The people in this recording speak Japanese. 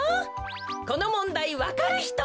このもんだいわかるひと！